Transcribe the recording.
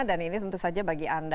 dan ini tentu saja bagi anda